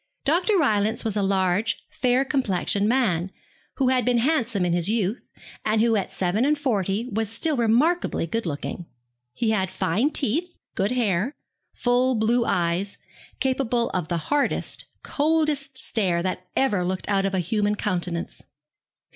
Dr. Rylance was a large fair complexioned man, who had been handsome in his youth, and who at seven and forty was still remarkably good looking. He had fine teeth, good hair, full blue eyes, capable of the hardest, coldest stare that ever looked out of a human countenance.